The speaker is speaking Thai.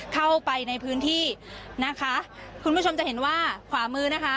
เข้าไปในพื้นที่นะคะคุณผู้ชมจะเห็นว่าขวามือนะคะ